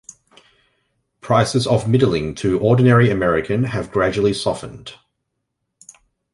Prices of middling to ordinary American have gradually softened.